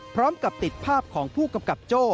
พร้อมกับติดภาพของผู้กำกับโจ้